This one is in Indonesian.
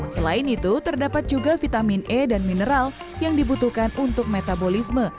selain itu terdapat juga vitamin e dan mineral yang dibutuhkan untuk metabolisme